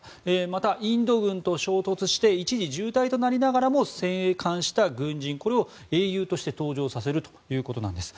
また、インド軍と衝突して一時、重体となりながらも生還した軍人、これを英雄として登場させるということなんです。